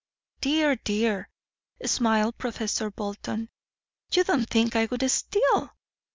"Dear, dear," smiled Professor Bolton, "you don't think I would steal?